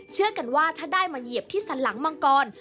เชื่อกันว่าถ้าได้มาเหยียบที่สันหลังมังกร